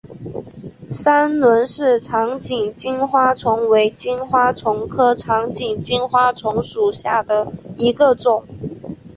三轮氏长颈金花虫为金花虫科长颈金花虫属下的一个种。